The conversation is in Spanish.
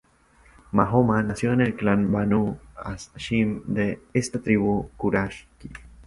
Mahoma nació en el clan Banu Hashim de esta tribu Quraysh.